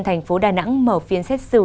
thành phố đà nẵng mở phiên xét xử